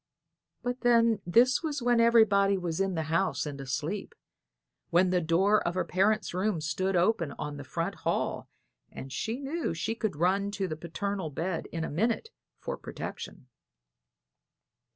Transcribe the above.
But then this was when everybody was in the house and asleep, when the door of her parents' room stood open on the front hall, and she knew she could run to the paternal bed in a minute for protection.